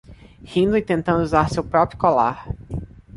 Rindo e tentando usar seu próprio colar